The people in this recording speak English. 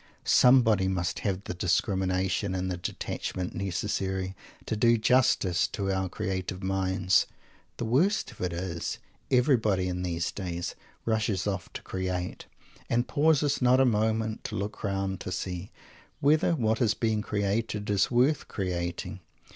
Somebody must have the discrimination and the detachment necessary to do justice to our "creative minds." The worst of it is, everybody in these days rushes off to "create," and pauses not a moment to look round to see whether what is being created is worth creating!